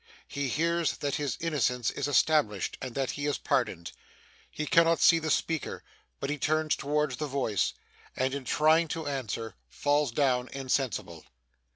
He hears that his innocence is established, and that he is pardoned. He cannot see the speaker, but he turns towards the voice, and in trying to answer, falls down insensible.